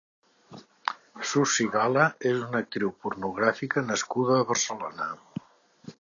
Susy Gala és una actriu pornogràfica nascuda a Barcelona.